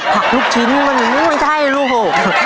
ผักลูกชิ้นไม่ใช่ลูก